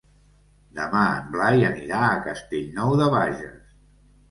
Demà en Blai anirà a Castellnou de Bages.